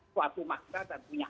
suatu maksa dan punya